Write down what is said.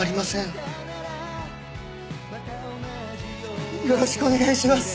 よろしくお願いします。